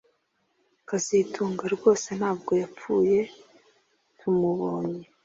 kazitunga rwose ntabwo yapfuye tumubonye